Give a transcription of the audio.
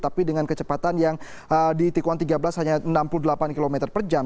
tapi dengan kecepatan yang di tikuan tiga belas hanya enam puluh delapan km per jam